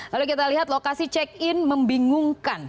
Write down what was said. lalu kita lihat lokasi check in membingungkan